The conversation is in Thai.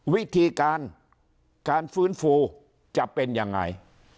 วิธีการการฟื้นฟูจะเป็นยังไง